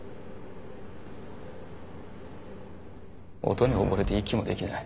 音に溺れて息もできない。